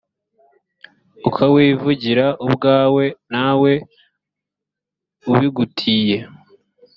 ukawivugira ubwawe ntawe ubigutiye.